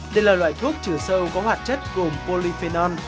đây là loại thuốc trừ sâu có hoạt chất gồm polyphenol